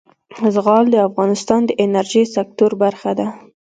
زغال د افغانستان د انرژۍ سکتور برخه ده.